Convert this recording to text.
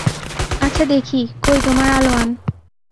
আচ্ছা দেখি, কই তোমার আলোয়ান?